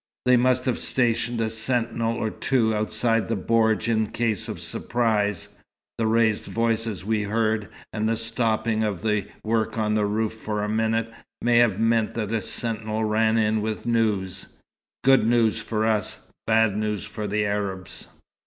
They must have stationed a sentinel or two outside the bordj in case of surprise. The raised voices we heard, and the stopping of the work on the roof for a minute, may have meant that a sentinel ran in with news good news for us, bad news for the Arabs."